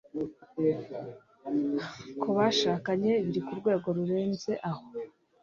ku bashakanye biri ku rwego rurenze aho